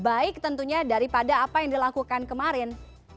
baik tentunya daripada apa yang dilakukan kemarin